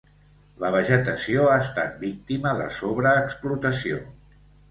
La vegetació ha estat víctima de sobreexplotació.